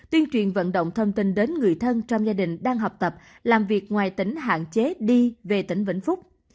tuyên truyền vận động thông tin đến người thân trong gia đình đang học tập làm việc ngoài tỉnh hạn chế đi về tỉnh vĩnh phúc